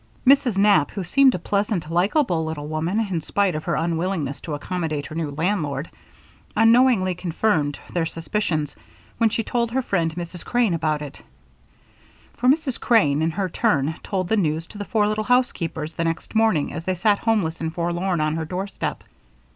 Mrs. Knapp, who seemed a pleasant, likable little woman, in spite of her unwillingness to accommodate her new landlord, unknowingly confirmed their suspicions when she told her friend Mrs. Crane about it; for Mrs. Crane, in her turn, told the news to the four little housekeepers the next morning as they sat homeless and forlorn on her doorstep.